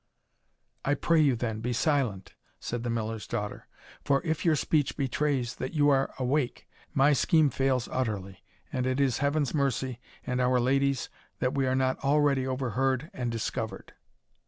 "I pray you, then, be silent," said the Miller's daughter; "for if your speech betrays that you are awake, my scheme fails utterly, and it is Heaven's mercy and Our Lady's that we are not already overheard and discovered."